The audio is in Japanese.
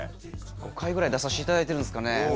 ５回ぐらい出させていただいてるんですかね。